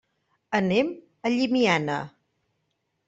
Anem a Llimiana.